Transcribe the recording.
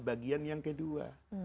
bagian yang kedua